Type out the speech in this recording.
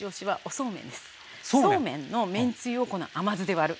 そうめん⁉そうめんのめんつゆをこの甘酢で割る。